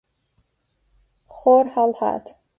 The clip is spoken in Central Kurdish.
خۆر هەڵهات.